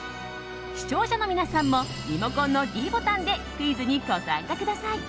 視聴者の皆さんもリモコンのｄボタンでクイズにご参加ください。